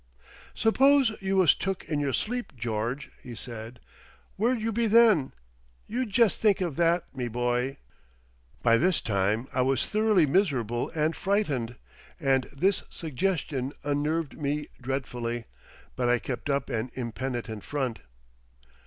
"Suppose you was took in your sleep, George," he said; "where'd you be then? You jest think of that me boy." By this time I was thoroughly miserable and frightened, and this suggestion unnerved me dreadfully but I kept up an impenitent front.